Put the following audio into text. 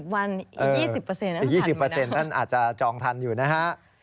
๑๐วันอีก๒๐เปอร์เซ็นต์อาจจะจองทันอยู่นะฮะ